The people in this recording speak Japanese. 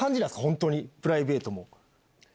本当にプライベートも。